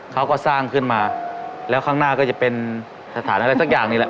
เขาก็สร้างขึ้นมาแล้วข้างหน้าก็จะเป็นสถานอะไรสักอย่างนี่แหละ